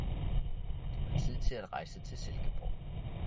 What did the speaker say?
Det var tid til at rejse til Silkeborg